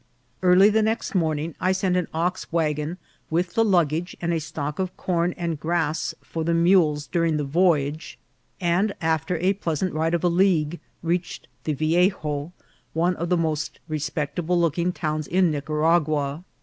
Early the next morning I sent on an ox wagon with the luggage and a stock of corn and grass for the mules during the voyage, and, after a pleasant ride of a league, reached the Viejo, one of the most respectable looking towns in Nicaragua.